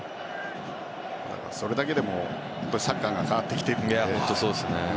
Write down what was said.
それだけでもサッカーが変わってきているので。